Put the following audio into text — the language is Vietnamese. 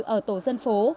ở tổ dân phố